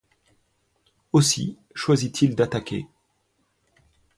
Aussi choisit-il d'attaquer.